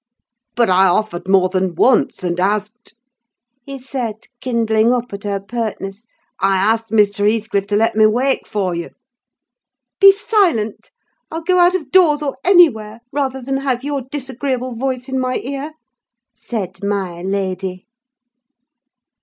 "'But I offered more than once, and asked,' he said, kindling up at her pertness, 'I asked Mr. Heathcliff to let me wake for you—' "'Be silent! I'll go out of doors, or anywhere, rather than have your disagreeable voice in my ear!' said my lady.